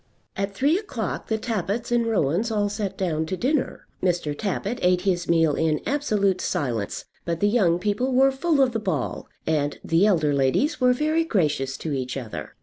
At three o'clock the Tappitts and Rowans all sat down to dinner. Mr. Tappitt ate his meal in absolute silence; but the young people were full of the ball, and the elder ladies were very gracious to each other.